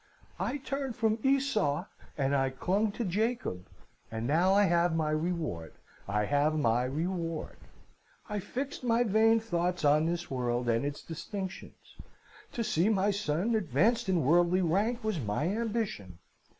'I turned from Esau, and I clung to Jacob. And now I have my reward, I have my reward! I fixed my vain thoughts on this world, and its distinctions. To see my son advanced in worldly rank was my ambition.